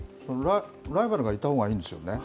ライバルがいたほうがいいんですよね。